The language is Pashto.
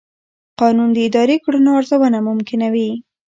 قانون د اداري کړنو ارزونه ممکنوي.